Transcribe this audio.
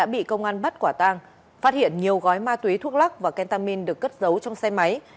bị công an bắt quả tang phát hiện nhiều gói ma túy thuốc lắc và kentamin được cất giấu trong xe máy